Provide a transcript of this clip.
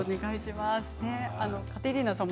カテリーナさん